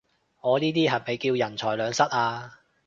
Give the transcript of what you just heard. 我呢啲係咪叫人財兩失啊？